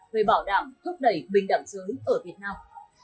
về bảo đảm thúc đẩy bình đẳng giới ở việt nam